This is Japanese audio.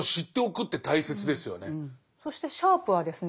そしてシャープはですね